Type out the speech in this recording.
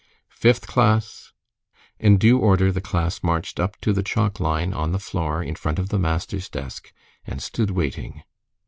"Fifth class!" In due order the class marched up to the chalk line on the floor in front of the master's desk, and stood waiting.